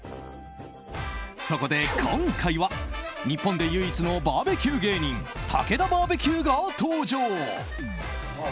そこで今回は日本で唯一のバーベキュー芸人たけだバーベキューが登場。